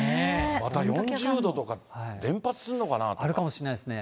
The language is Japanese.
また４０度とか、あるかもしれないですね。